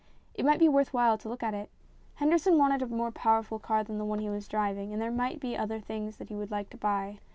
It might be worth while to look at it. Henderson wanted a more powerful car than the one he was driving, and there might be other things that he would like to buy.